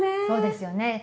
そうですよね。